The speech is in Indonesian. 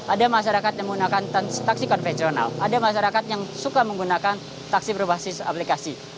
ada masyarakat yang menggunakan taksi konvensional ada masyarakat yang suka menggunakan taksi berbasis aplikasi